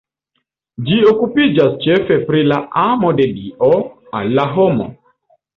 Ĝi okupiĝas ĉefe pri la amo de Dio al la homo.